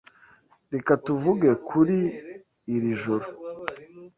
Reka tuvuge kuri iri joro.